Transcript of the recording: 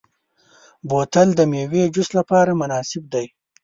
بوتل د میوې جوس لپاره مناسب دی.